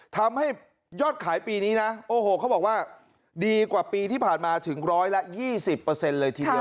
ทำให้ยอดขายปีนี้นะโอ้โหเขาบอกว่าดีกว่าปีที่ผ่านมาถึงร้อยละ๒๐เลยทีเดียว